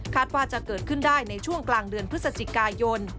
ว่าจะเกิดขึ้นได้ในช่วงกลางเดือนพฤศจิกายน